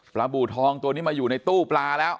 บูทองตัวนี้มาอยู่ในตู้ปลาแล้ว